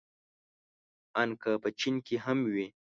ان که په چين کې هم وي.